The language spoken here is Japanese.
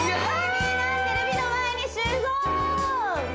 みんなテレビの前に集合！